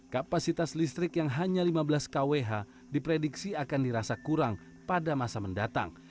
kapasitas listrik yang hanya lima belas kwh diprediksi akan dirasa kurang pada masa mendatang